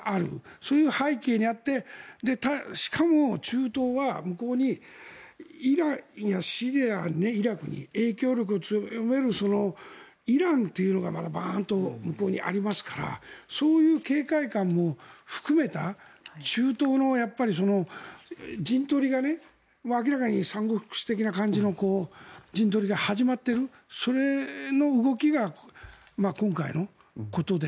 そういう背景にあってしかも、中東は向こうにイランやシリア、イラクに影響力を強めるイランというのが、またバーンと向こうにありますからそういう警戒感も含めた中東の陣取りが明らかに三国志的な陣取りが始まっているそれの動きが今回のことで。